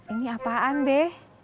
ini apaan be